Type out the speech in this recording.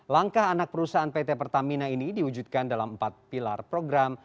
langkah anak perusahaan pt pertamina ini diwujudkan dalam empat pilar program